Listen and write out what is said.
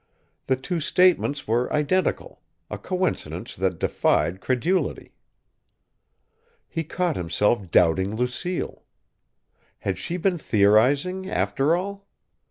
The two statements were identical a coincidence that defied credulity. He caught himself doubting Lucille. Had she been theorizing, after all?